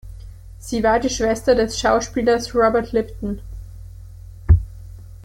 Sie war die Schwester des Schauspielers Robert Lipton.